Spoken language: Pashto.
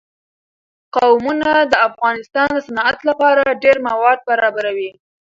قومونه د افغانستان د صنعت لپاره ډېر مواد برابروي.